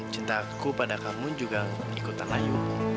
cintaku pada kamu juga ikutan ayu